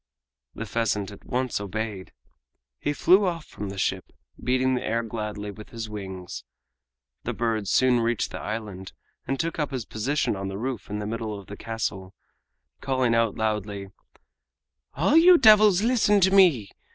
The pheasant at once obeyed. He flew off from the ship beating the air gladly with his wings. The bird soon reached the island and took up his position on the roof in the middle of the castle, calling out loudly: "All you devils listen to me!